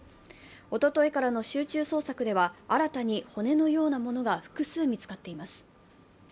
おとといからの集中捜索では、新たに骨のようなものが複数見つかっています。